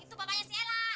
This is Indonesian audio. itu bapaknya si ella